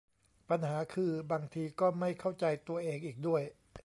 ปัญหาคือบางทีก็ไม่เข้าใจตัวเองอีกด้วย